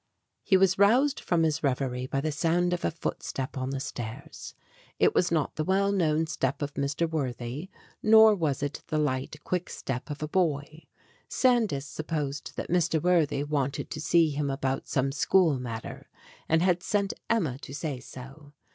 He was roused from his reverie by the sound of a footstep on the stairs. It was not the well known step of Mr. Worthy, nor was it the light, quick step of a boy. Sandys supposed that Mr. Worthy wanted to see him about some school matter, and had sent Emma to say so.